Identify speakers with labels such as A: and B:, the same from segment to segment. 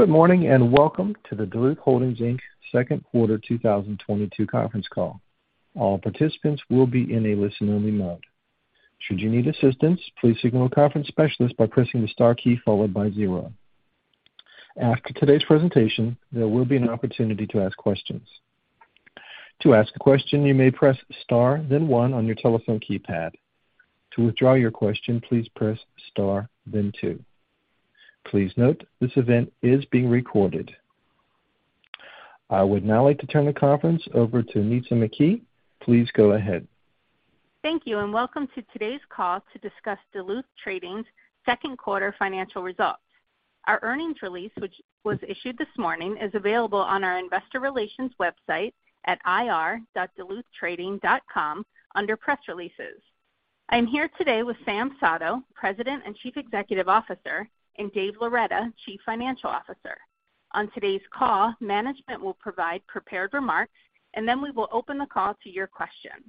A: Good morning and welcome to the Duluth Holdings Inc.'s second quarter 2022 conference call. All participants will be in a listen-only mode. Should you need assistance, please signal a conference specialist by pressing the star key followed by zero. After today's presentation, there will be an opportunity to ask questions. To ask a question, you may press star then one on your telephone keypad. To withdraw your question, please press star then two. Please note, this event is being recorded. I would now like to turn the conference over to Nitza McKee. Please go ahead.
B: Thank you, and welcome to today's call to discuss Duluth Trading's second quarter financial results. Our earnings release, which was issued this morning, is available on our investor relations website at ir.duluthtrading.com under Press Releases. I'm here today with Sam Sato, President and Chief Executive Officer, and Dave Loretta, Chief Financial Officer. On today's call, management will provide prepared remarks, and then we will open the call to your questions.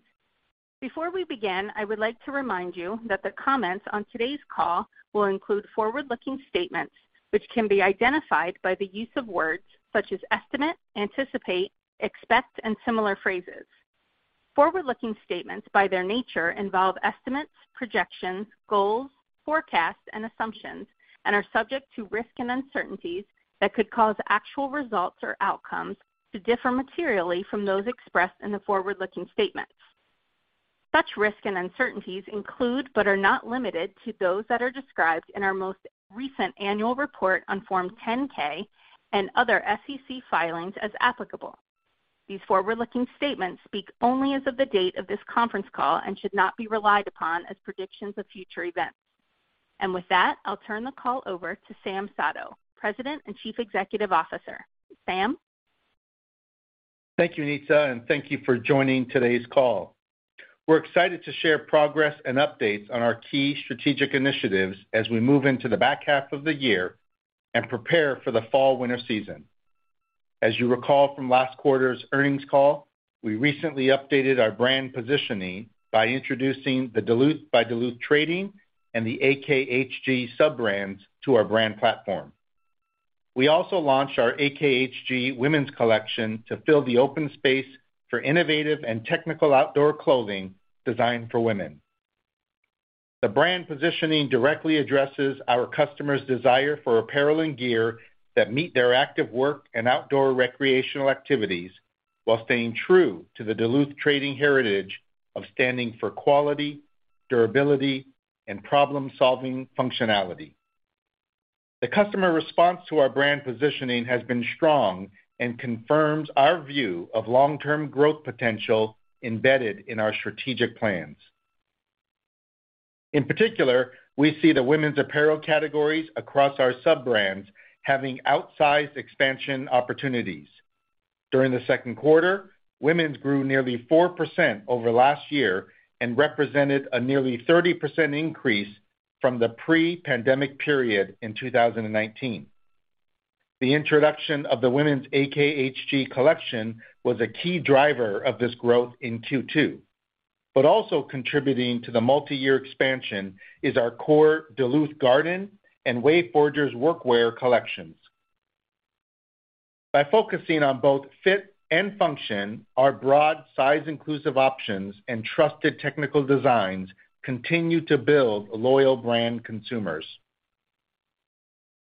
B: Before we begin, I would like to remind you that the comments on today's call will include forward-looking statements, which can be identified by the use of words such as estimate, anticipate, expect, and similar phrases. Forward-looking statements, by their nature, involve estimates, projections, goals, forecasts, and assumptions, and are subject to risks and uncertainties that could cause actual results or outcomes to differ materially from those expressed in the forward-looking statements. Such risks and uncertainties include, but are not limited to, those that are described in our most recent annual report on Form 10-K and other SEC filings as applicable. These forward-looking statements speak only as of the date of this conference call and should not be relied upon as predictions of future events. With that, I'll turn the call over to Sam Sato, President and Chief Executive Officer. Sam?
C: Thank you, Nitza, and thank you for joining today's call. We're excited to share progress and updates on our key strategic initiatives as we move into the back half of the year and prepare for the fall/winter season. As you recall from last quarter's earnings call, we recently updated our brand positioning by introducing the Duluth by Duluth Trading and the AKHG sub-brands to our brand platform. We also launched our AKHG women's collection to fill the open space for innovative and technical outdoor clothing designed for women. The brand positioning directly addresses our customers' desire for apparel and gear that meet their active work and outdoor recreational activities while staying true to the Duluth Trading heritage of standing for quality, durability, and problem-solving functionality. The customer response to our brand positioning has been strong and confirms our view of long-term growth potential embedded in our strategic plans. In particular, we see the women's apparel categories across our sub-brands having outsized expansion opportunities. During the second quarter, women's grew nearly 4% overvlast year and represented a nearly 30% increase from the pre-pandemic period in 2019. The introduction of the women's AKHG collection was a key driver of this growth in Q2, but also contributing to the multi-year expansion is our core Duluth Garden and WayForgers Workwear collections. By focusing on both fit and function, our broad size-inclusive options and trusted technical designs continue to build loyal brand consumers.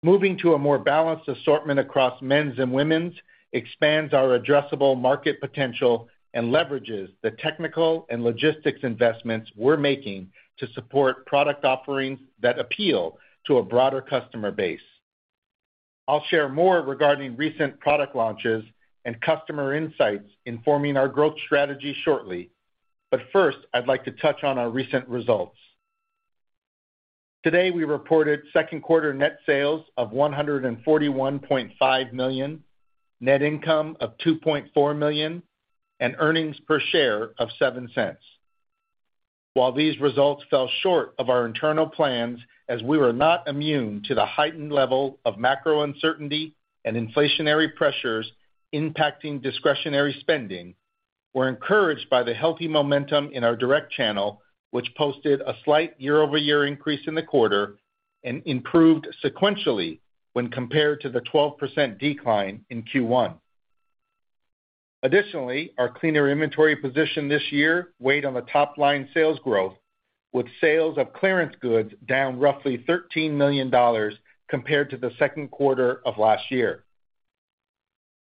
C: Moving to a more balanced assortment across men's and women's expands our addressable market potential and leverages the technical and logistics investments we're making to support product offerings that appeal to a broader customer base. I'll share more regarding recent product launches and customer insights informing our growth strategy shortly. First, I'd like to touch on our recent results. Today, we reported second quarter net sales of $141.5 million, net income of $2.4 million, and earnings per share of $0.07. While these results fell short of our internal plans as we were not immune to the heightened level of macro uncertainty and inflationary pressures impacting discretionary spending, we're encouraged by the healthy momentum in our direct channel, which posted a slight year-over-year increase in the quarter and improved sequentially when compared to the 12% decline in Q1. Additionally, our cleaner inventory position this year weighed on the top line sales growth with sales of clearance goods down roughly $13 million compared to the second quarter of last year.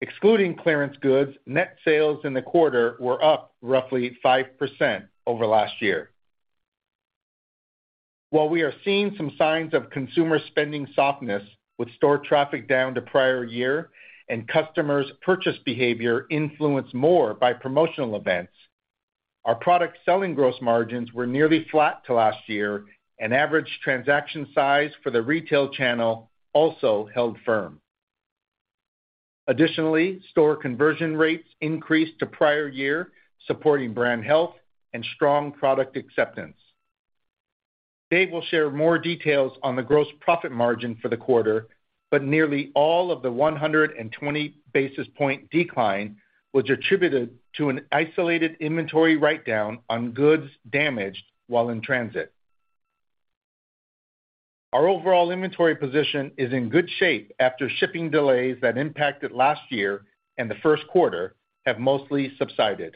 C: Excluding clearance goods, net sales in the quarter were up roughly 5% over last year. While we are seeing some signs of consumer spending softness with store traffic down year-over-year and customers' purchase behavior influenced more by promotional events, our product selling gross margins were nearly flat to last year, and average transaction size for the retail channel also held firm. Additionally, store conversion rates increased year-over-year, supporting brand health and strong product acceptance. Dave will share more details on the gross profit margin for the quarter, but nearly all of the 120 basis point decline was attributed to an isolated inventory write-down on goods damaged while in transit. Our overall inventory position is in good shape after shipping delays that impacted last year and the first quarter have mostly subsided.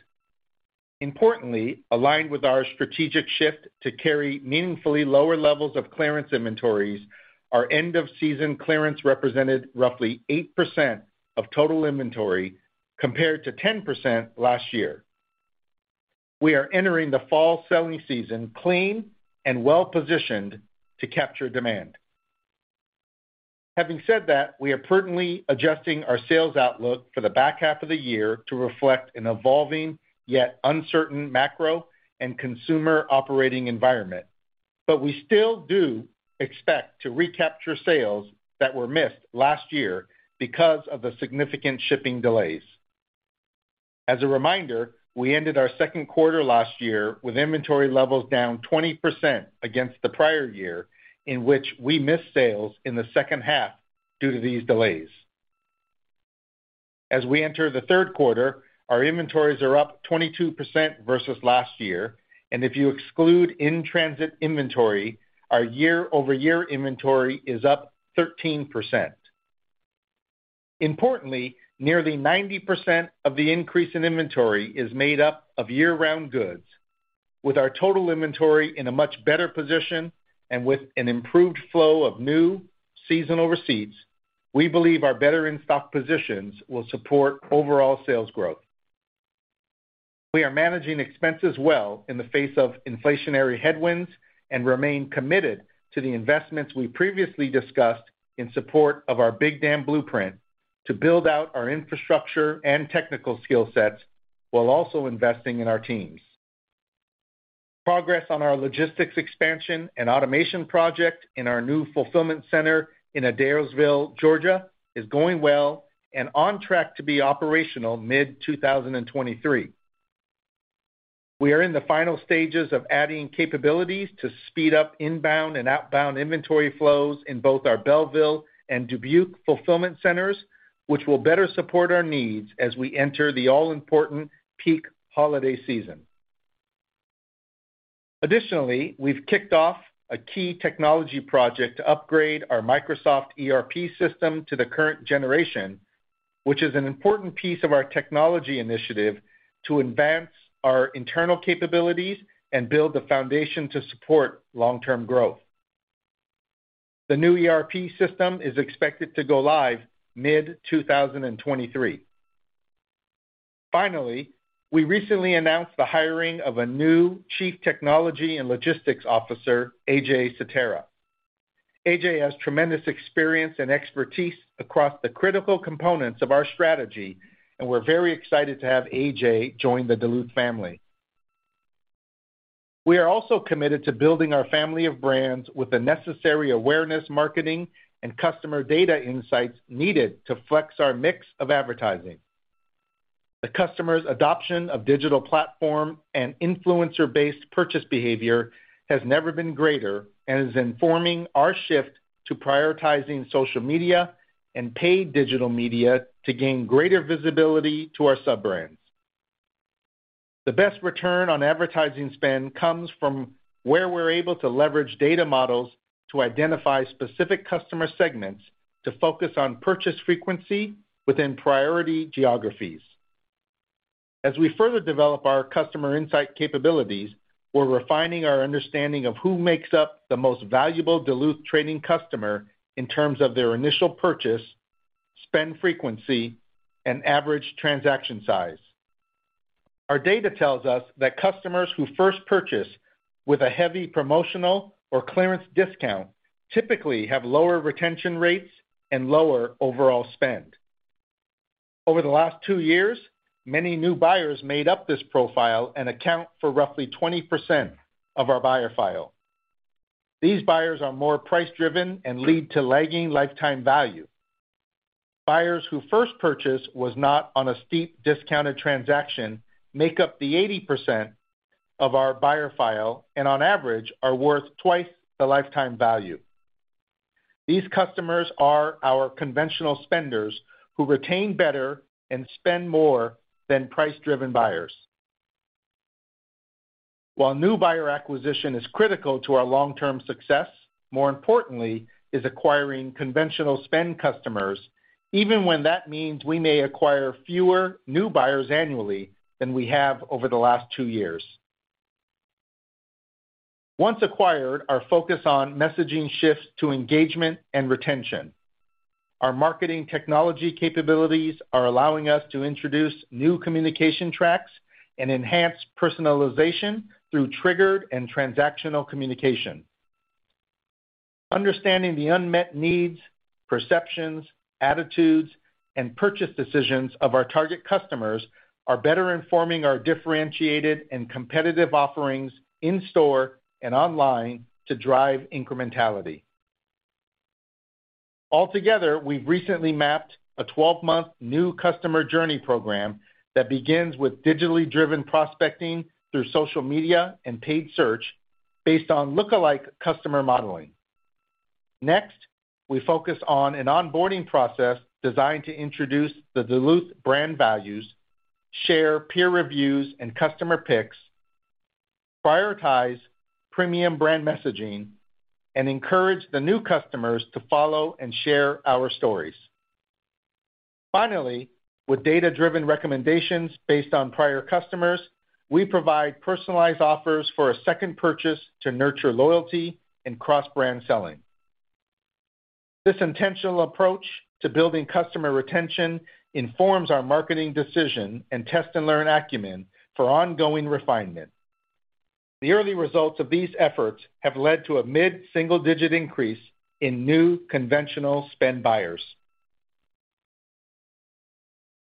C: Importantly, aligned with our strategic shift to carry meaningfully lower levels of clearance inventories, our end-of-season clearance represented roughly 8% of total inventory compared to 10% last year. We are entering the fall selling season clean and well-positioned to capture demand. Having said that, we are prudently adjusting our sales outlook for the back half of the year to reflect an evolving yet uncertain macro and consumer operating environment. We still do expect to recapture sales that were missed last year because of the significant shipping delays. As a reminder, we ended our second quarter last year with inventory levels down 20% against the prior year, in which we missed sales in the second half due to these delays. As we enter the third quarter, our inventories are up 22% versus last year, and if you exclude in-transit inventory, our year-over-year inventory is up 13%. Importantly, nearly 90% of the increase in inventory is made up of year-round goods. With our total inventory in a much better position and with an improved flow of new seasonal receipts, we believe our better in-stock positions will support overall sales growth. We are managing expenses well in the face of inflationary headwinds and remain committed to the investments we previously discussed in support of our Big Dam Blueprint to build out our infrastructure and technical skill sets while also investing in our teams. Progress on our logistics expansion and automation project in our new fulfillment center in Adairsville, Georgia, is going well and on track to be operational mid-2023. We are in the final stages of adding capabilities to speed up inbound and outbound inventory flows in both our Belleville and Dubuque fulfillment centers, which will better support our needs as we enter the all-important peak holiday season. Additionally, we've kicked off a key technology project to upgrade our Microsoft ERP system to the current generation, which is an important piece of our technology initiative to advance our internal capabilities and build the foundation to support long-term growth. The new ERP system is expected to go live mid-2023. Finally, we recently announced the hiring of a new Chief Technology and Logistics Officer, AJ Sutera. AJ has tremendous experience and expertise across the critical components of our strategy, and we're very excited to have AJ join the Duluth family. We are also committed to building our family of brands with the necessary awareness, marketing, and customer data insights needed to flex our mix of advertising. The customer's adoption of digital platform and influencer-based purchase behavior has never been greater and is informing our shift to prioritizing social media and paid digital media to gain greater visibility to our sub-brands. The best return on advertising spend comes from where we're able to leverage data models to identify specific customer segments to focus on purchase frequency within priority geographies. As we further develop our customer insight capabilities, we're refining our understanding of who makes up the most valuable Duluth Trading customer in terms of their initial purchase, spend frequency, and average transaction size. Our data tells us that customers who first purchase with a heavy promotional or clearance discount typically have lower retention rates and lower overall spend. Over the last two years, many new buyers made up this profile and account for roughly 20% of our buyer file. These buyers are more price-driven and lead to lagging lifetime value. Buyers who first purchase was not on a steep discounted transaction make up the 80% of our buyer file and on average are worth twice the lifetime value. These customers are our conventional spenders who retain better and spend more than price-driven buyers. While new buyer acquisition is critical to our long-term success, more importantly is acquiring conventional spend customers, even when that means we may acquire fewer new buyers annually than we have over the last two years. Once acquired, our focus on messaging shifts to engagement and retention. Our marketing technology capabilities are allowing us to introduce new communication tracks and enhance personalization through triggered and transactional communication. Understanding the unmet needs, perceptions, attitudes, and purchase decisions of our target customers are better informing our differentiated and competitive offerings in-store and online to drive incrementality. Altogether, we've recently mapped a 12-month new customer journey program that begins with digitally driven prospecting through social media and paid search based on look-alike customer modeling. Next, we focus on an onboarding process designed to introduce the Duluth brand values, share peer reviews and customer picks, prioritize premium brand messaging, and encourage the new customers to follow and share our stories. Finally, with data-driven recommendations based on prior customers, we provide personalized offers for a second purchase to nurture loyalty and cross-brand selling. This intentional approach to building customer retention informs our marketing decision and test and learn acumen for ongoing refinement. The early results of these efforts have led to a mid-single-digit increase in new conventional spend buyers.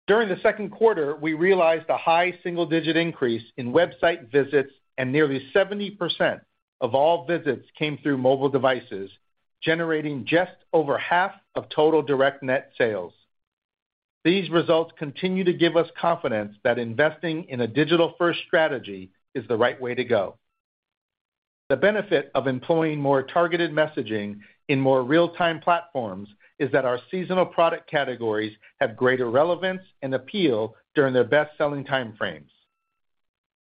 C: During the second quarter, we realized a high single-digit increase in website visits, and nearly 70% of all visits came through mobile devices, generating just over half of total direct net sales. These results continue to give us confidence that investing in a digital-first strategy is the right way to go. The benefit of employing more targeted messaging in more real-time platforms is that our seasonal product categories have greater relevance and appeal during their best-selling time frames.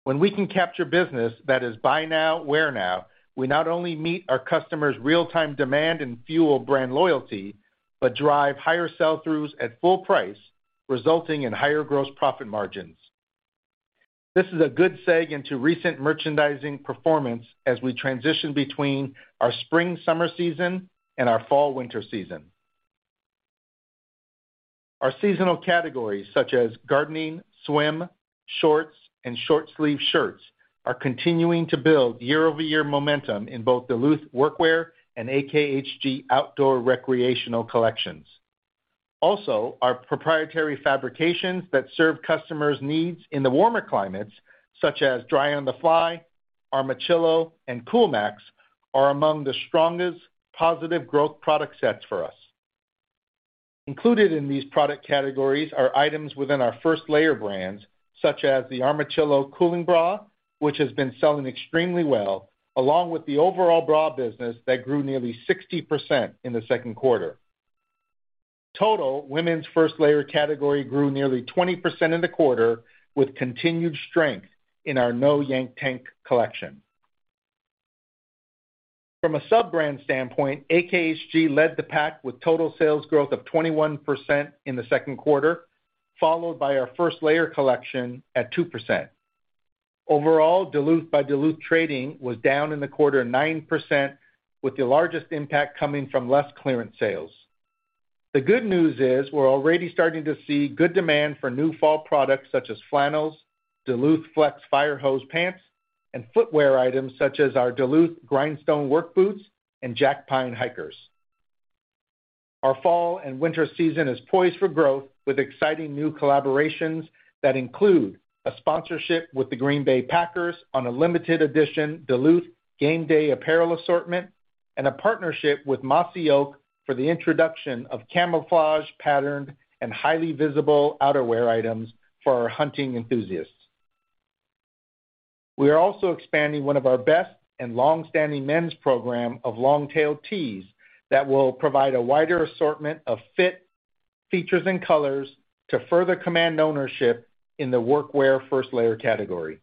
C: When we can capture business that is buy now, wear now, we not only meet our customers' real-time demand and fuel brand loyalty, but drive higher sell-throughs at full price, resulting in higher gross profit margins. This is a good segue into recent merchandising performance as we transition between our spring-summer season and our fall-winter season. Our seasonal categories, such as gardening, swim, shorts, and short-sleeved shirts, are continuing to build year-over-year momentum in both Duluth Work Wear and AKHG Outdoor Recreational Collections. Also, our proprietary fabrications that serve customers' needs in the warmer climates, such as Dry on the Fly, Armachillo, and COOLMAX, are among the strongest positive growth product sets for us. Included in these product categories are items within our first layer brands, such as the Armachillo cooling bra, which has been selling extremely well, along with the overall bra business that grew nearly 60% in the second quarter. Total women's first layer category grew nearly 20% in the quarter, with continued strength in our No Yank Tank collection. From a sub-brand standpoint, AKHG led the pack with total sales growth of 21% in the second quarter, followed by our first layer collection at 2%. Overall, Duluth by Duluth Trading was down in the quarter 9%, with the largest impact coming from less clearance sales. The good news is we're already starting to see good demand for new fall products such as flannels, DuluthFlex Fire Hose pants, and footwear items such as our Duluth Grindstone Work Boots and Jack Pine Hikers. Our fall and winter season is poised for growth with exciting new collaborations that include a sponsorship with the Green Bay Packers on a limited edition Duluth game day apparel assortment and a partnership with Mossy Oak for the introduction of camouflage patterned and highly visible outerwear items for our hunting enthusiasts. We are also expanding one of our best and longstanding men's program of long-tail tees that will provide a wider assortment of fit, features, and colors to further command ownership in the workwear first layer category.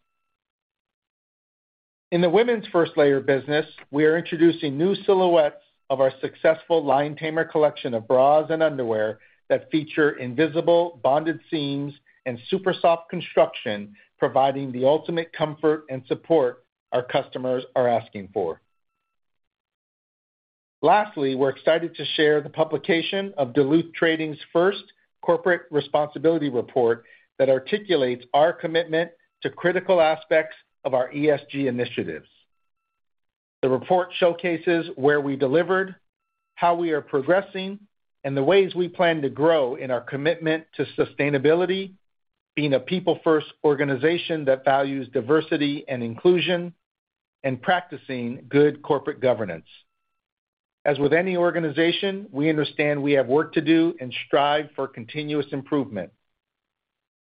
C: In the women's first layer business, we are introducing new silhouettes of our successful Line Tamer collection of bras and underwear that feature invisible bonded seams and super soft construction, providing the ultimate comfort and support our customers are asking for. Lastly, we're excited to share the publication of Duluth Trading's first corporate responsibility report that articulates our commitment to critical aspects of our ESG initiatives. The report showcases where we delivered, how we are progressing, and the ways we plan to grow in our commitment to sustainability, being a people-first organization that values diversity and inclusion, and practicing good corporate governance. As with any organization, we understand we have work to do and strive for continuous improvement.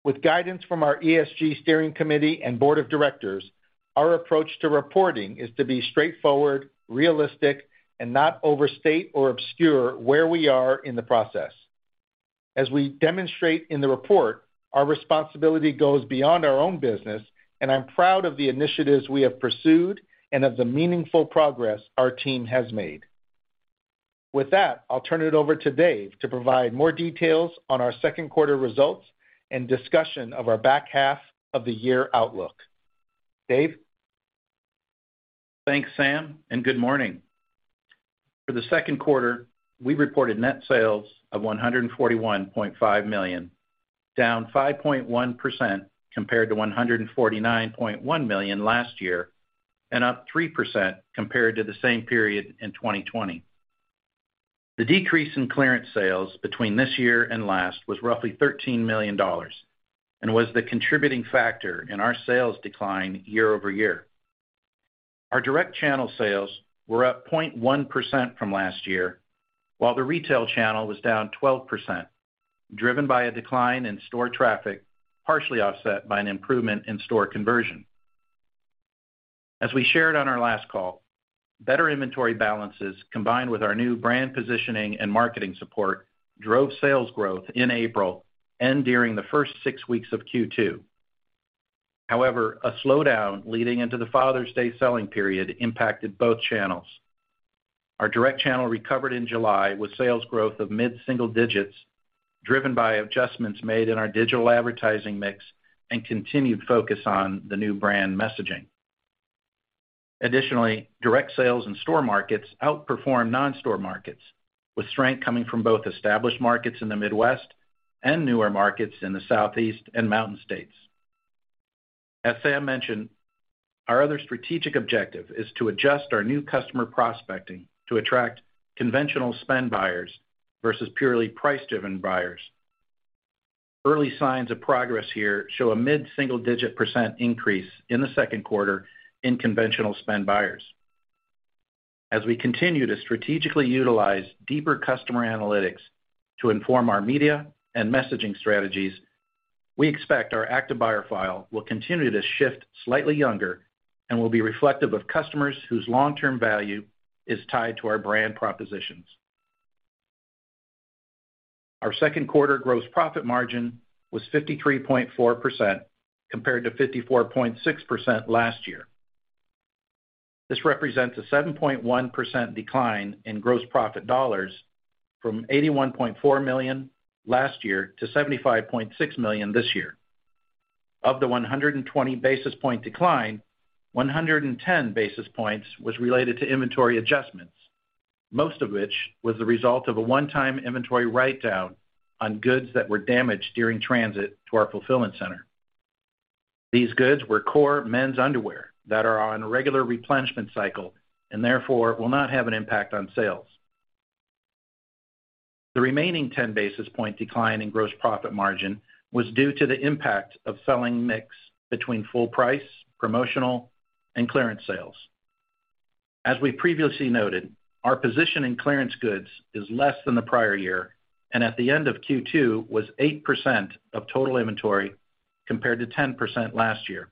C: With guidance from our ESG Steering Committee and Board of Directors, our approach to reporting is to be straightforward, realistic, and not overstate or obscure where we are in the process. As we demonstrate in the report, our responsibility goes beyond our own business, and I'm proud of the initiatives we have pursued and of the meaningful progress our team has made. With that, I'll turn it over to Dave to provide more details on our second quarter results and discussion of our back half of the year outlook. Dave?
D: Thanks, Sam, and good morning. For the second quarter, we reported net sales of $141.5 million, down 5.1% compared to $149.1 million last year and up 3% compared to the same period in 2020. The decrease in clearance sales between this year and last was roughly $13 million and was the contributing factor in our sales decline year-over-year. Our direct channel sales were up 0.1% from last year, while the retail channel was down 12%, driven by a decline in store traffic, partially offset by an improvement in store conversion. As we shared on our last call, better inventory balances combined with our new brand positioning and marketing support drove sales growth in April and during the first six weeks of Q2. However, a slowdown leading into the Father's Day selling period impacted both channels. Our direct channel recovered in July with sales growth of mid-single digits, driven by adjustments made in our digital advertising mix and continued focus on the new brand messaging. Additionally, direct sales in store markets outperformed non-store markets, with strength coming from both established markets in the Midwest and newer markets in the Southeast and Mountain States. As Sam mentioned, our other strategic objective is to adjust our new customer prospecting to attract conventional spend buyers versus purely price-driven buyers. Early signs of progress here show a mid-single-digit % increase in the second quarter in conventional spend buyers. As we continue to strategically utilize deeper customer analytics to inform our media and messaging strategies, we expect our active buyer file will continue to shift slightly younger and will be reflective of customers whose long-term value is tied to our brand propositions. Our second quarter gross profit margin was 53.4%, compared to 54.6% last year. This represents a 7.1% decline in gross profit dollars from $81.4 million last year to $75.6 million this year. Of the 120 basis point decline, 110 basis points was related to inventory adjustments, most of which was the result of a one-time inventory write-down on goods that were damaged during transit to our fulfillment center. These goods were core men's underwear that are on a regular replenishment cycle and therefore will not have an impact on sales. The remaining 10 basis points decline in gross profit margin was due to the impact of selling mix between full price, promotional, and clearance sales. As we previously noted, our position in clearance goods is less than the prior year, and at the end of Q2 was 8% of total inventory, compared to 10% last year.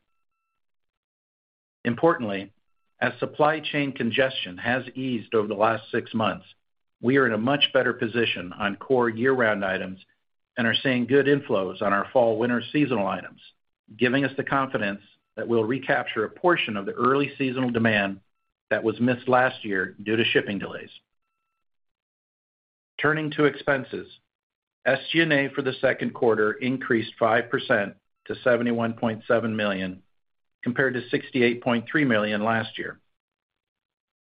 D: Importantly, as supply chain congestion has eased over the last six months, we are in a much better position on core year-round items and are seeing good inflows on our fall/winter seasonal items, giving us the confidence that we'll recapture a portion of the early seasonal demand that was missed last year due to shipping delays. Turning to expenses. SG&A for the second quarter increased 5% to $71.7 million, compared to $68.3 million last year.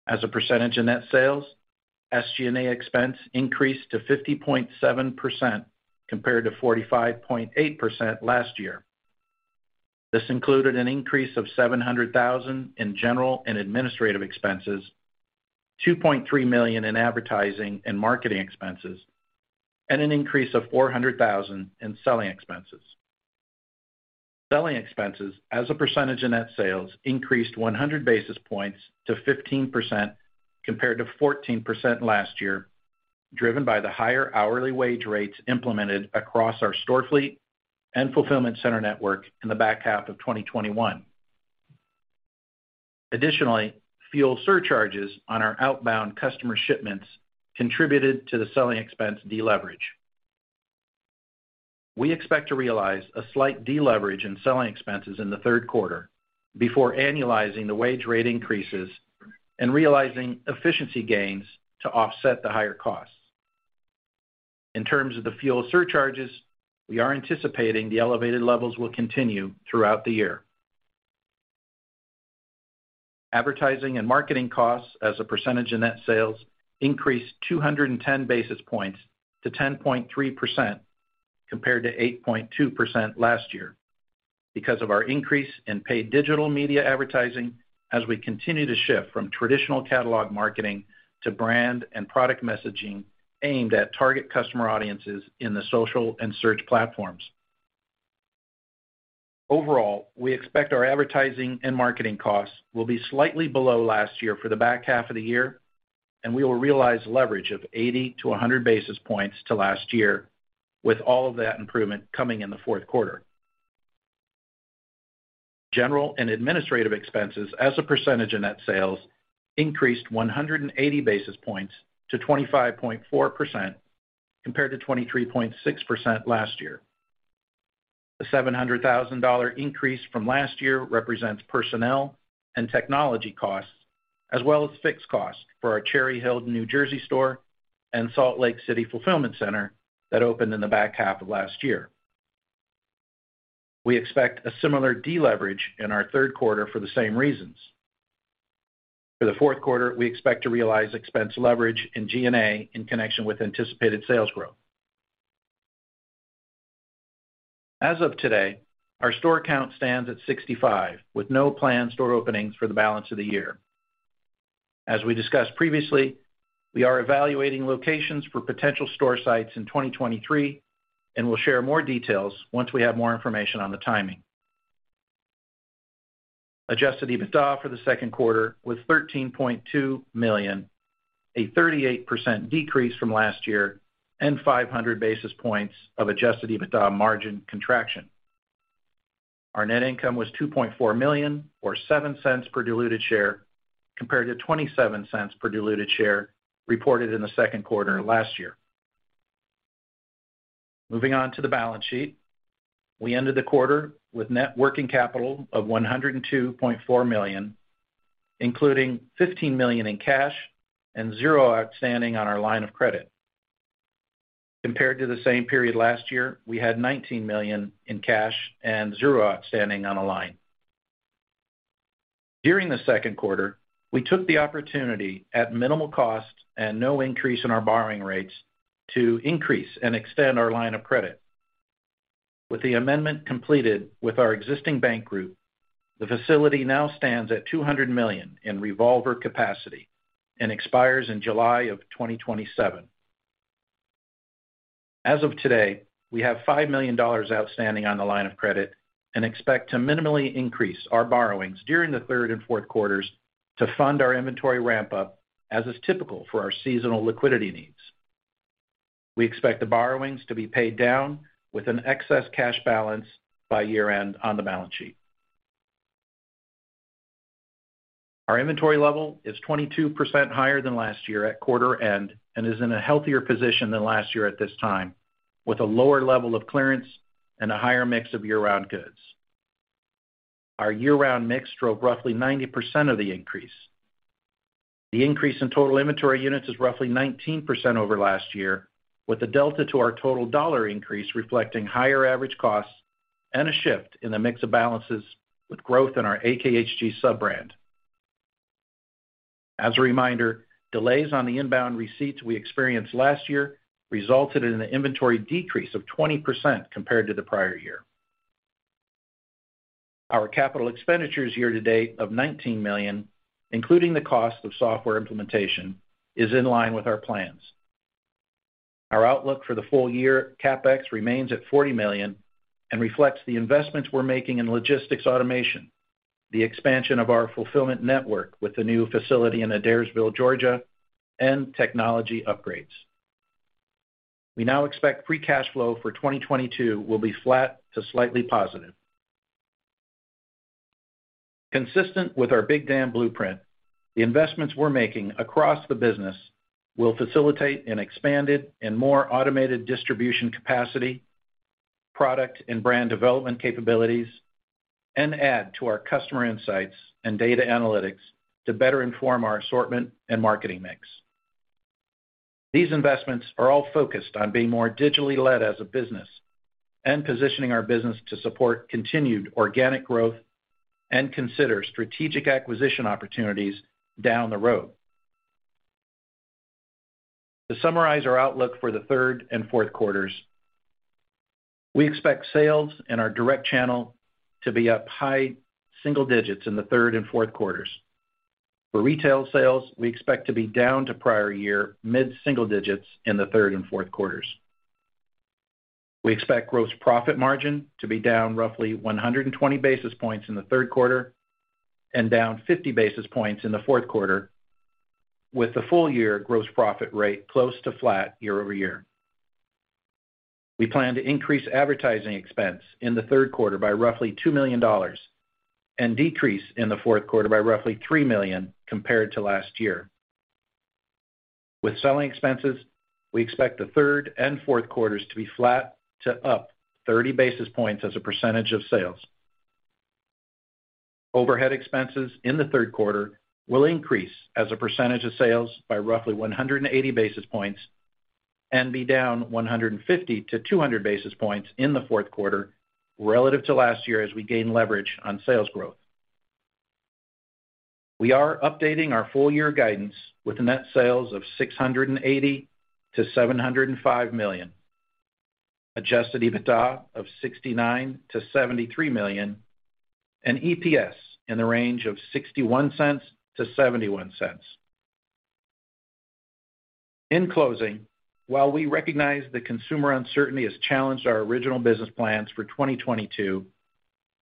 D: As a percentage of net sales, SG&A expense increased to 50.7% compared to 45.8% last year. This included an increase of $700,000 in general and administrative expenses, $2.3 million in advertising and marketing expenses, and an increase of $400,000 in selling expenses. Selling expenses as a percentage of net sales increased 100 basis points to 15% compared to 14% last year, driven by the higher hourly wage rates implemented across our store fleet and fulfillment center network in the back half of 2021. Additionally, fuel surcharges on our outbound customer shipments contributed to the selling expense deleverage. We expect to realize a slight deleverage in selling expenses in the third quarter before annualizing the wage rate increases and realizing efficiency gains to offset the higher costs. In terms of the fuel surcharges, we are anticipating the elevated levels will continue throughout the year. Advertising and marketing costs as a percentage of net sales increased 210 basis points to 10.3% compared to 8.2% last year because of our increase in paid digital media advertising as we continue to shift from traditional catalog marketing to brand and product messaging aimed at target customer audiences in the social and search platforms. Overall, we expect our advertising and marketing costs will be slightly below last year for the back half of the year, and we will realize leverage of 80-100 basis points to last year, with all of that improvement coming in the fourth quarter. General and administrative expenses as a percentage of net sales increased 180 basis points to 25.4% compared to 23.6% last year. The $700,000 increase from last year represents personnel and technology costs, as well as fixed costs for our Cherry Hill, New Jersey store and Salt Lake City fulfillment center that opened in the back half of last year. We expect a similar deleverage in our third quarter for the same reasons. For the fourth quarter, we expect to realize expense leverage in G&A in connection with anticipated sales growth. As of today, our store count stands at 65, with no planned store openings for the balance of the year. We discussed previously, we are evaluating locations for potential store sites in 2023 and will share more details once we have more information on the timing. Adjusted EBITDA for the second quarter was $13.2 million, a 38% decrease from last year and 500 basis points of adjusted EBITDA margin contraction. Our net income was $2.4 million, or $0.07 per diluted share, compared to $0.27 per diluted share reported in the second quarter last year. Moving on to the balance sheet. We ended the quarter with net working capital of $102.4 million, including $15 million in cash and $0 outstanding on our line of credit. Compared to the same period last year, we had $19 million in cash and $0 outstanding on a line. During the second quarter, we took the opportunity at minimal cost and no increase in our borrowing rates to increase and extend our line of credit. With the amendment completed with our existing bank group, the facility now stands at $200 million in revolver capacity and expires in July 2027. As of today, we have $5 million outstanding on the line of credit and expect to minimally increase our borrowings during the third and fourth quarters to fund our inventory ramp-up as is typical for our seasonal liquidity needs. We expect the borrowings to be paid down with an excess cash balance by year-end on the balance sheet. Our inventory level is 22% higher than last year at quarter end and is in a healthier position than last year at this time, with a lower level of clearance and a higher mix of year-round goods. Our year-round mix drove roughly 90% of the increase. The increase in total inventory units is roughly 19% over last year, with the delta to our total dollar increase reflecting higher average costs and a shift in the mix of balances with growth in our AKHG sub-brand. As a reminder, delays on the inbound receipts we experienced last year resulted in an inventory decrease of 20% compared to the prior year. Our capital expenditures year-to-date of $19 million, including the cost of software implementation, is in line with our plans. Our outlook for the full-year CapEx remains at $40 million and reflects the investments we're making in logistics automation, the expansion of our fulfillment network with the new facility in Adairsville, Georgia, and technology upgrades. We now expect free cash flow for 2022 will be flat to slightly positive. Consistent with our Big Dam Blueprint, the investments we're making across the business will facilitate an expanded and more automated distribution capacity, product and brand development capabilities, and add to our customer insights and data analytics to better inform our assortment and marketing mix. These investments are all focused on being more digitally led as a business and positioning our business to support continued organic growth and consider strategic acquisition opportunities down the road. To summarize our outlook for the third and fourth quarters, we expect sales in our direct channel to be up high single digits in the third and fourth quarters. For retail sales, we expect to be down mid-single digits to prior year in the third and fourth quarters. We expect gross profit margin to be down roughly 120 basis points in the third quarter and down 50 basis points in the fourth quarter, with the full-year gross profit rate close to flat year-over-year. We plan to increase advertising expense in the third quarter by roughly $2 million and decrease in the fourth quarter by roughly $3 million compared to last year. With selling expenses, we expect the third and fourth quarters to be flat to up 30 basis points as a percentage of sales. Overhead expenses in the third quarter will increase as a percentage of sales by roughly 180 basis points and be down 150-200 basis points in the fourth quarter relative to last year as we gain leverage on sales growth. We are updating our full year guidance with net sales of $680 million-$705 million, adjusted EBITDA of $69 million-$73 million, and EPS in the range of $0.61-$0.71. In closing, while we recognize the consumer uncertainty has challenged our original business plans for 2022,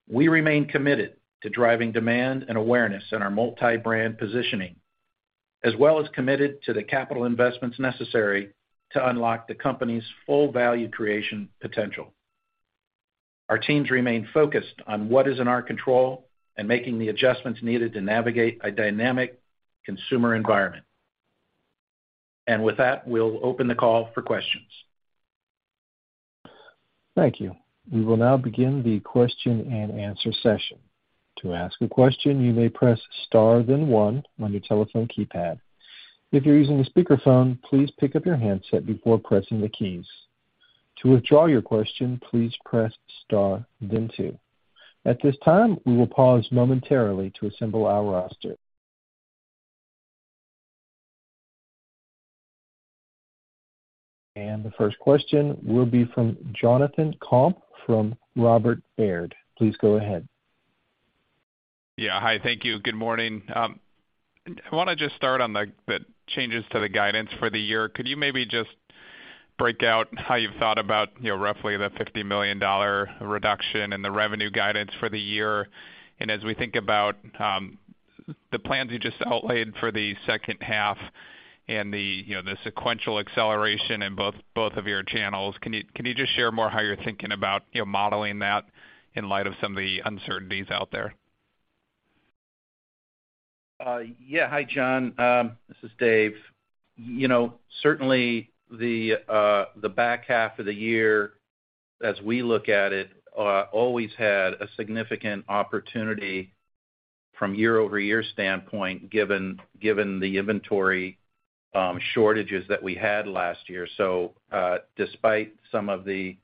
D: we remain committed to driving demand and awareness in our multi-brand positioning, as well as committed to the capital investments necessary to unlock the company's full value creation potential. Our teams remain focused on what is in our control and making the adjustments needed to navigate a dynamic consumer environment. With that, we'll open the call for questions.
A: Thank you. We will now begin the question-and-answer session. To ask a question, you may press star then one on your telephone keypad. If you're using a speakerphone, please pick up your handset before pressing the keys. To withdraw your question, please press star then two. At this time, we will pause momentarily to assemble our roster. The first question will be from Jonathan Komp from Robert Baird. Please go ahead.
E: Yeah. Hi. Thank you. Good morning. I wanna just start on the changes to the guidance for the year. Could you maybe just break out how you've thought about, you know, roughly the $50 million reduction in the revenue guidance for the year. As we think about the plans you just outlined for the second half and the, you know, the sequential acceleration in both of your channels, can you just share more how you're thinking about, you know, modeling that in light of some of the uncertainties out there?
D: Hi, John. This is Dave. You know, certainly the back half of the year as we look at it always had a significant opportunity from year-over-year standpoint, given the inventory shortages that we had last year. Despite some of the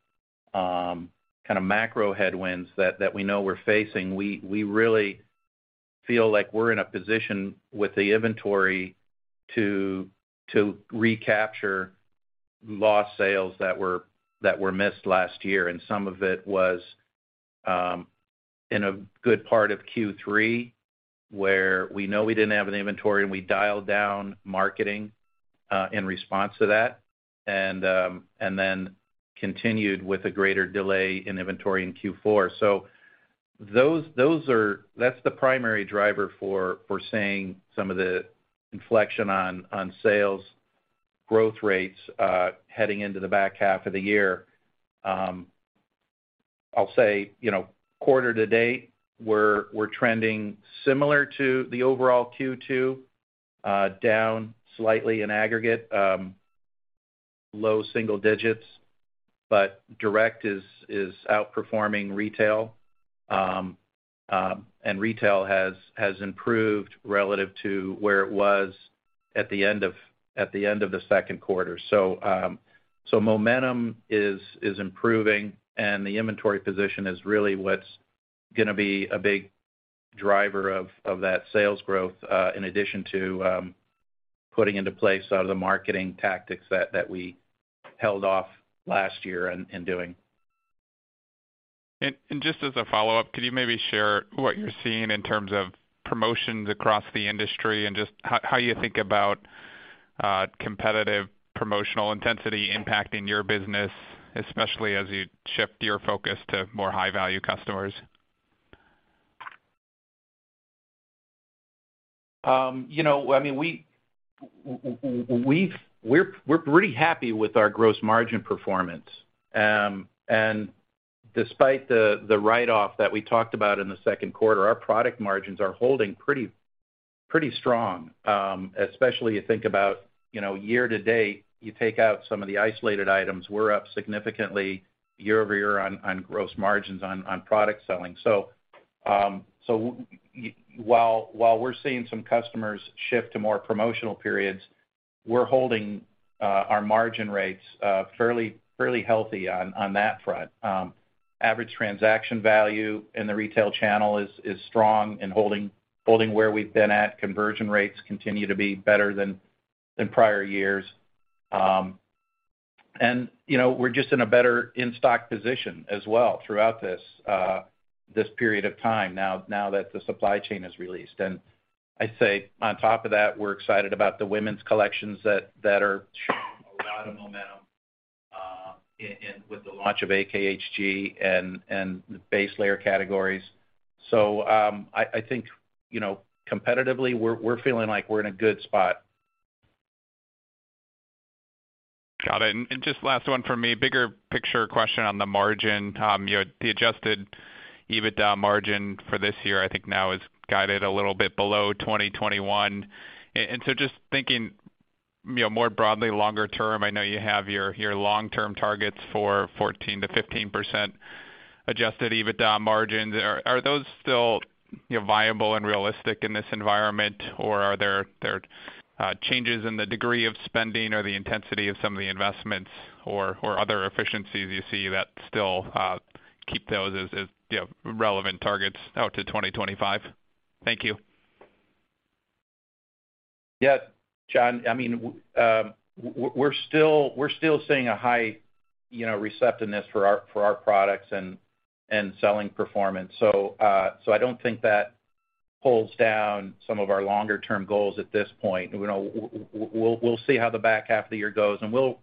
D: kind of macro headwinds that we know we're facing, we really feel like we're in a position with the inventory to recapture lost sales that were missed last year, and some of it was in a good part of Q3, where we know we didn't have an inventory and we dialed down marketing in response to that, and then continued with a greater delay in inventory in Q4. Those are. That's the primary driver for seeing some of the inflection on sales growth rates, heading into the back half of the year. I'll say, you know, quarter to date, we're trending similar to the overall Q2, down slightly in aggregate, low single digits. Direct is outperforming retail. Retail has improved relative to where it was at the end of the second quarter. Momentum is improving, and the inventory position is really what's gonna be a big driver of that sales growth, in addition to putting into place a lot of the marketing tactics that we held off last year in doing.
E: Just as a follow-up, could you maybe share what you're seeing in terms of promotions across the industry and just how you think about competitive promotional intensity impacting your business, especially as you shift your focus to more high value customers?
D: You know, I mean, we're pretty happy with our gross margin performance. Despite the write-off that we talked about in the second quarter, our product margins are holding pretty strong. Especially you think about, you know, year to date, you take out some of the isolated items, we're up significantly year-over-year on gross margins on product selling. While we're seeing some customers shift to more promotional periods, we're holding our margin rates fairly healthy on that front. Average transaction value in the retail channel is strong and holding where we've been at. Conversion rates continue to be better than prior years. You know, we're just in a better in-stock position as well throughout this period of time now that the supply chain is released. I'd say on top of that, we're excited about the women's collections that are showing a lot of momentum and with the launch of AKHG and the base layer categories. I think, you know, competitively we're feeling like we're in a good spot.
E: Got it. Just last one for me, bigger picture question on the margin. You know, the adjusted EBITDA margin for this year I think now is guided a little bit below 2021. So just thinking, you know, more broadly longer term, I know you have your long-term targets for 14%-15% adjusted EBITDA margins. Are those still, you know, viable and realistic in this environment? Or are there changes in the degree of spending or the intensity of some of the investments or other efficiencies you see that still keep those as, you know, relevant targets out to 2025? Thank you.
D: Yeah, Jonathan. I mean, we're still seeing a high, you know, receptiveness for our products and selling performance. I don't think that pulls down some of our longer term goals at this point. You know, we'll see how the back half of the year goes, and we'll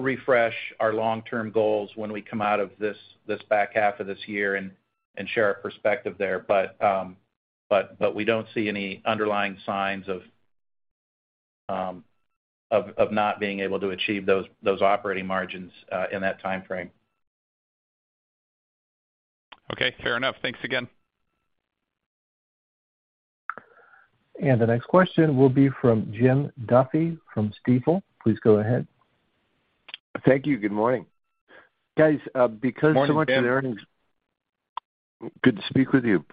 D: refresh our long-term goals when we come out of this back half of this year and share our perspective there. We don't see any underlying signs of not being able to achieve those operating margins in that timeframe.
E: Okay, fair enough. Thanks again.
A: The next question will be from Jim Duffy from Stifel. Please go ahead.
F: Thank you. Good morning. Guys, because so much of the earnings.
D: Morning, Jim.
F: Good to speak with you.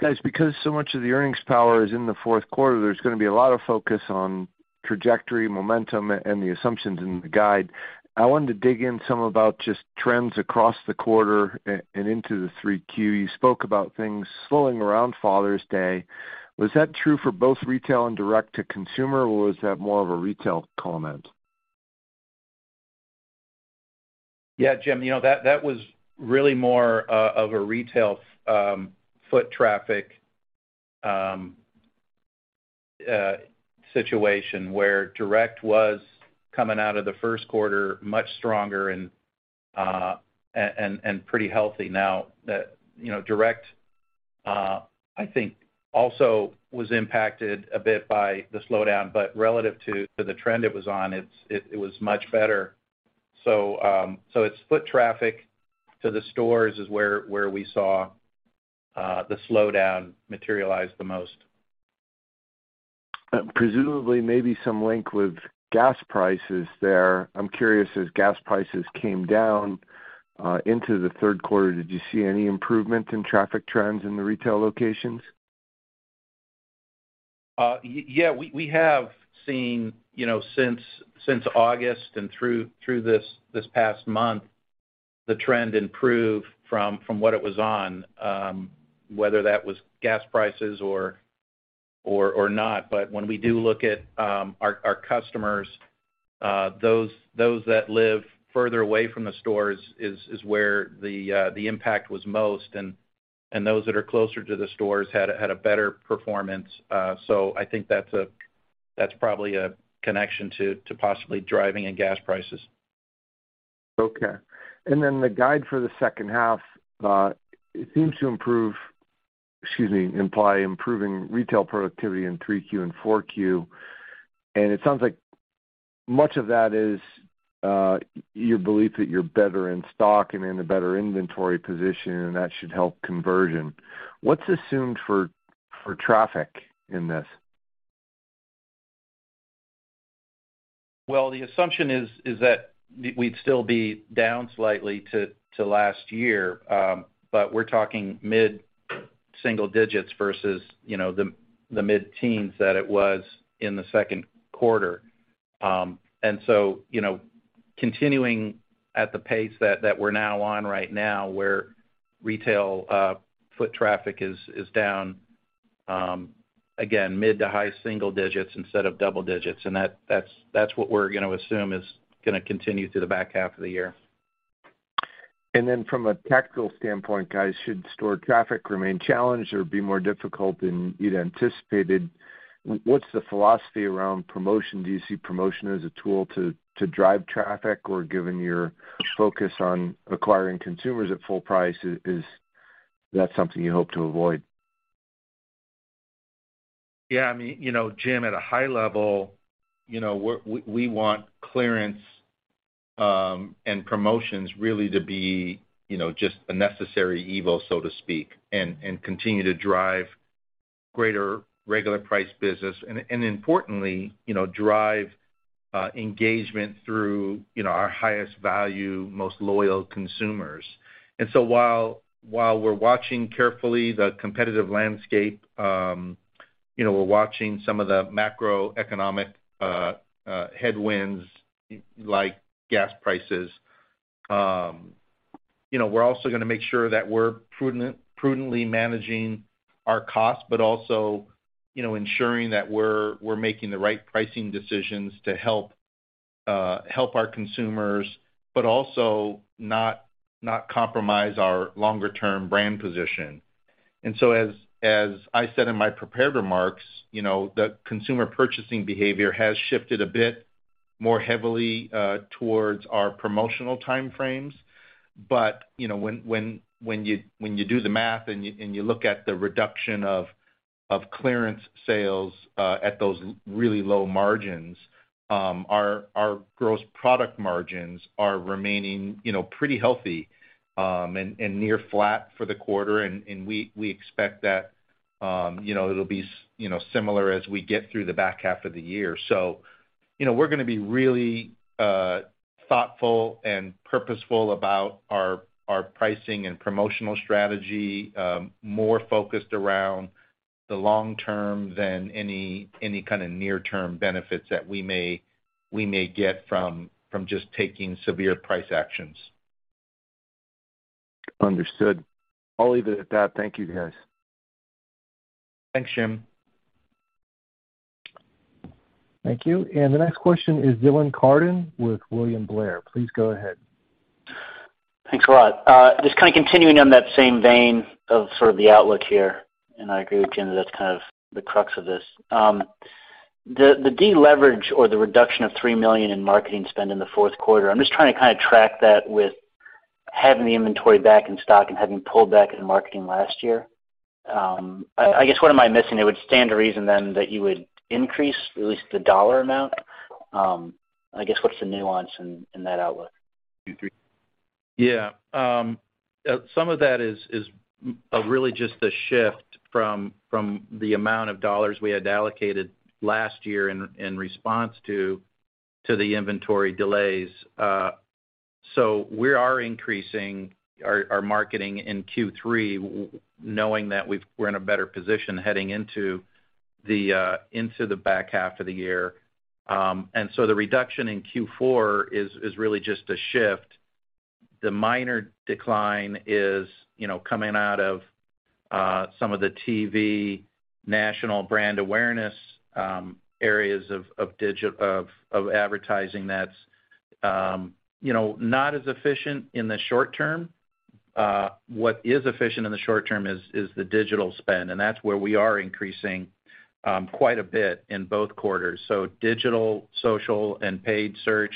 F: Guys, because so much of the earnings power is in the fourth quarter, there's gonna be a lot of focus on trajectory, momentum, and the assumptions in the guide. I wanted to dig in some about just trends across the quarter and into Q3. You spoke about things slowing around Father's Day. Was that true for both retail and direct to consumer, or was that more of a retail comment?
D: Yeah, Jim, you know, that was really more of a retail foot traffic situation where direct was coming out of the first quarter much stronger and pretty healthy. Now that, you know, direct I think also was impacted a bit by the slowdown, but relative to the trend it was on, it was much better. It's foot traffic to the stores is where we saw the slowdown materialize the most.
F: Presumably maybe some link with gas prices there. I'm curious, as gas prices came down into the third quarter, did you see any improvement in traffic trends in the retail locations?
D: Yeah. We have seen, you know, since August and through this past month, the trend improve from what it was on whether that was gas prices or not. When we do look at our customers, those that live further away from the stores is where the impact was most, and those that are closer to the stores had a better performance. I think that's probably a connection to possibly driving and gas prices.
F: Okay. Then the guide for the second half, it seems to imply improving retail productivity in Q3 and Q4. It sounds like much of that is your belief that you're better in stock and in a better inventory position, and that should help conversion. What's assumed for traffic in this?
D: Well, the assumption is that we'd still be down slightly to last year, but we're talking mid-single digits versus, you know, the mid-teens that it was in the second quarter. You know, continuing at the pace that we're now on right now, where retail foot traffic is down again, mid- to high-single digits instead of double digits, and that's what we're gonna assume is gonna continue through the back half of the year.
F: From a tactical standpoint, guys, should store traffic remain challenged or be more difficult than you'd anticipated, what's the philosophy around promotion? Do you see promotion as a tool to drive traffic? Or given your focus on acquiring consumers at full price, is that something you hope to avoid?
D: Yeah. I mean, you know, Jim, at a high level, you know, we want clearance and promotions really to be, you know, just a necessary evil, so to speak, and continue to drive greater regular price business and importantly, you know, drive engagement through, you know, our highest value, most loyal consumers. While we're watching carefully the competitive landscape, you know, we're watching some of the macroeconomic headwinds like gas prices, you know, we're also gonna make sure that we're prudently managing our costs, but also, you know, ensuring that we're making the right pricing decisions to help our consumers, but also not compromise our longer term brand position. As I said in my prepared remarks, you know, the consumer purchasing behavior has shifted a bit more heavily towards our promotional time frames. You know, when you do the math and you look at the reduction of clearance sales at those really low margins, our gross profit margins are remaining, you know, pretty healthy and near flat for the quarter. We expect that, you know, it'll be, you know, similar as we get through the back half of the year. You know, we're gonna be really thoughtful and purposeful about our pricing and promotional strategy, more focused around the long term than any kind of near-term benefits that we may get from just taking severe price actions.
F: Understood. I'll leave it at that. Thank you, guys.
D: Thanks, Jim.
A: Thank you. The next question is Dylan Carden with William Blair. Please go ahead.
G: Thanks a lot. Just kind of continuing on that same vein of sort of the outlook here, I agree with Jim that's kind of the crux of this. The deleverage or the reduction of $3 million in marketing spend in the fourth quarter, I'm just trying to kinda track that with having the inventory back in stock and having pulled back in marketing last year. I guess what am I missing? It would stand to reason then that you would increase at least the dollar amount. I guess what's the nuance in that outlook?
D: Yeah. Some of that is really just a shift from the amount of dollars we had allocated last year in response to the inventory delays. We are increasing our marketing in Q3 knowing that we're in a better position heading into the back half of the year. The reduction in Q4 is really just a shift. The minor decline is, you know, coming out of
C: Some of the TV national brand awareness areas of advertising that's, you know, not as efficient in the short term. What is efficient in the short term is the digital spend, and that's where we are increasing quite a bit in both quarters. Digital, social, and paid search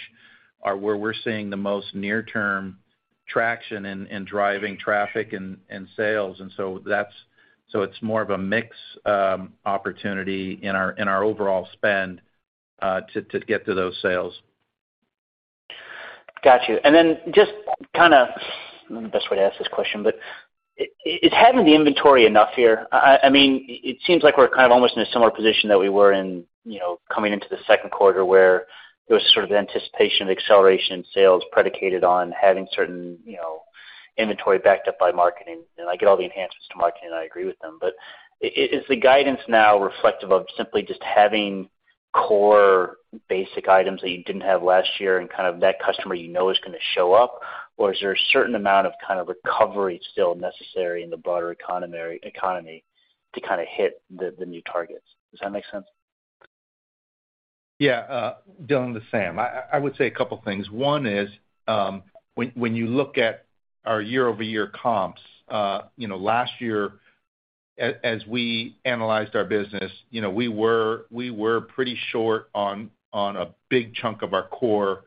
C: are where we're seeing the most near-term traction in driving traffic and sales. It's more of a mix opportunity in our overall spend to get to those sales.
G: Got you. Then just kinda I don't know the best way to ask this question, but is having the inventory enough here? I mean, it seems like we're kind of almost in a similar position that we were in, you know, coming into the second quarter where there was sort of anticipation, acceleration in sales predicated on having certain, you know, inventory backed up by marketing. I get all the enhancements to marketing, I agree with them, but is the guidance now reflective of simply just having core basic items that you didn't have last year and kind of that customer you know is gonna show up? Or is there a certain amount of kind of recovery still necessary in the broader economy to kinda hit the new targets? Does that make sense?
C: Yeah. Dylan, this is Sam. I would say a couple things. One is, when you look at our year-over-year comps, you know, last year as we analyzed our business, you know, we were pretty short on a big chunk of our core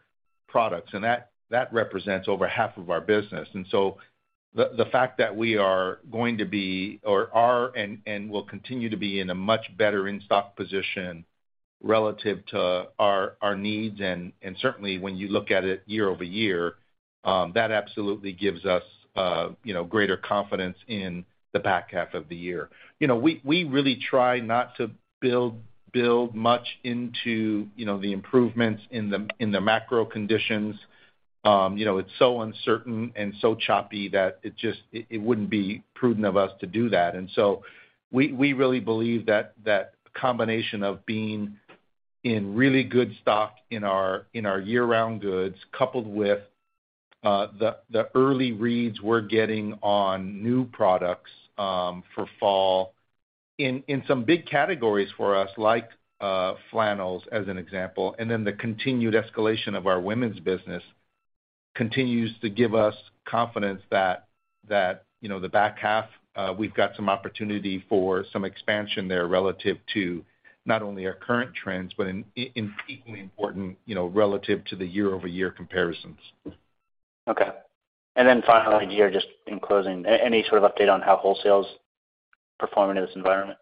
C: products, and that represents over half of our business. The fact that we are or will continue to be in a much better in-stock position relative to our needs, and certainly when you look at it year-over-year, that absolutely gives us, you know, greater confidence in the back half of the year. You know, we really try not to build much into, you know, the improvements in the macro conditions. You know, it's so uncertain and so choppy that it wouldn't be prudent of us to do that. We really believe that combination of being in really good stock in our year-round goods, coupled with the early reads we're getting on new products for fall in some big categories for us, like flannels as an example, and then the continued escalation of our women's business continues to give us confidence that, you know, the back half we've got some opportunity for some expansion there relative to not only our current trends but in equally important, you know, relative to the year-over-year comparisons.
G: Okay. Finally here, just in closing, any sort of update on how wholesale's performing in this environment?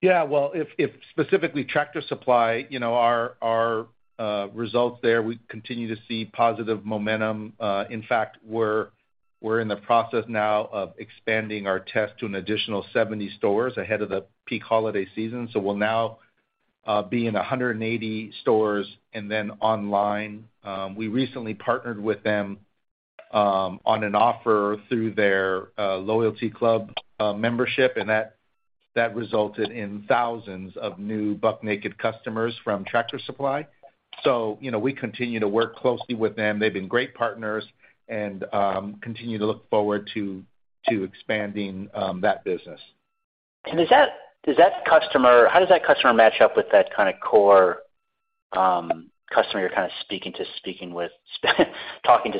C: Yeah. Well, if specifically Tractor Supply, you know, our results there, we continue to see positive momentum. In fact, we're in the process now of expanding our test to an additional 70 stores ahead of the peak holiday season. We'll now be in 180 stores and then online. We recently partnered with them on an offer through their loyalty club membership, and that resulted in thousands of new Buck Naked customers from Tractor Supply. You know, we continue to work closely with them. They've been great partners and continue to look forward to expanding that business.
G: How does that customer match up with that kinda core customer you're kinda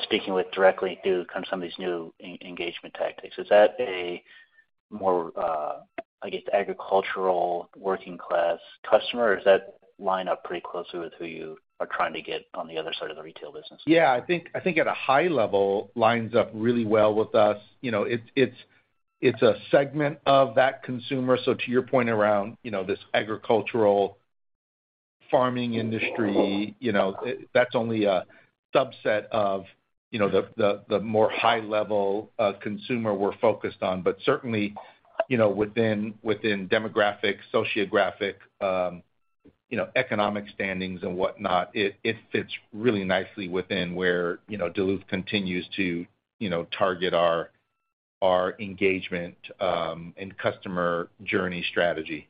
G: speaking with directly through kinda some of these new engagement tactics? Is that a more, I guess, agricultural working class customer, or does that line up pretty closely with who you are trying to get on the other side of the retail business?
C: Yeah. I think at a high level, lines up really well with us. You know, it's a segment of that consumer. So to your point around, you know, this agricultural farming industry, you know, that's only a subset of, you know, the more high level of consumer we're focused on. But certainly, you know, within demographic, sociographic, you know, economic standings and whatnot, it fits really nicely within where, you know, Duluth continues to, you know, target our engagement and customer journey strategy.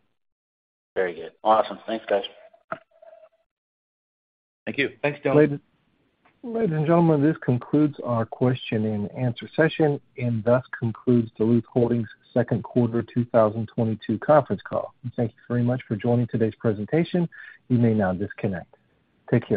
G: Very good. Awesome. Thanks, guys.
C: Thank you. Thanks, Dylan.
A: Ladies and gentlemen, this concludes our question and answer session and thus concludes Duluth Holdings' second quarter 2022 conference call. Thank you very much for joining today's presentation. You may now disconnect. Take care.